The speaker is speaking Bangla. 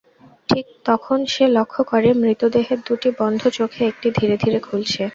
ঠিক তখন সে লক্ষ করে, মৃতদেহের দুটি বন্ধ চোখের একটি ধীরে-বীরে খুলছে।